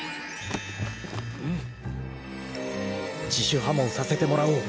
［自首破門させてもらおう］